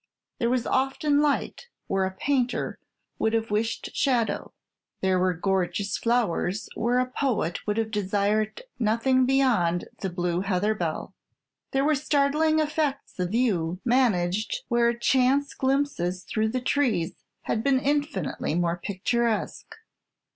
There was often light where a painter would have wished shadow. There were gorgeous flowers where a poet would have desired nothing beyond the blue heather bell. There were startling effects of view, managed where chance glimpses through the trees had been infinitely more picturesque.